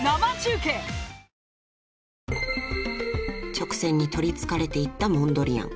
［直線に取りつかれていったモンドリアン］